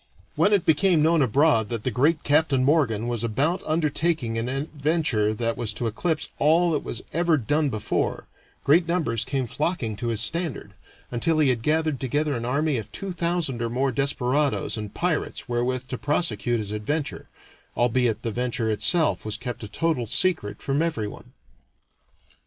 When it became known abroad that the great Captain Morgan was about undertaking an adventure that was to eclipse all that was ever done before, great numbers came flocking to his standard, until he had gathered together an army of two thousand or more desperadoes and pirates wherewith to prosecute his adventure, albeit the venture itself was kept a total secret from everyone.